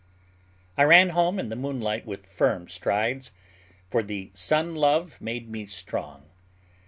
I ran home in the moonlight with firm strides; for the sun love made me strong.